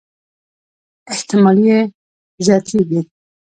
احتمالي یې زياتېږي.